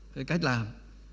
cái cách làm